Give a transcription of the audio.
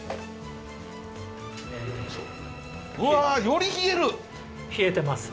うわっ！より冷える！